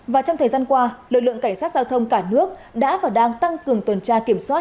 và trong thời gian qua lực lượng cảnh sát giao thông cả nước đã và đang tăng cường tuần tra kiểm soát